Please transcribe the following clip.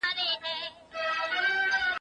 د نيکمرغه ژوند لپاره د چا سره نکاح بايد وسي؟